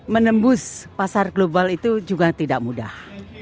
menembus pasar global itu juga tidak mudah